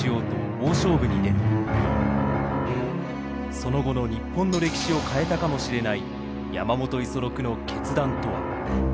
その後の日本の歴史を変えたかもしれない山本五十六の決断とは。